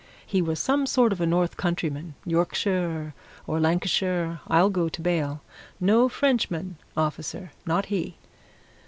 He was some sort of a North Countryman Yorkshire or Lancashire, I'll go bail. No Frenchman, officer not he!"